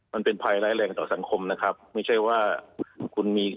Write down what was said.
มันเป็นภัยร้ายแรงต่อสังคมนะครับไม่ใช่ว่าคุณมี